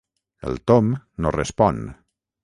El Tom no respon.